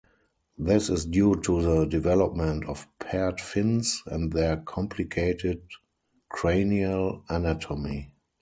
This is due to the development of paired fins, and their complicated cranial anatomy.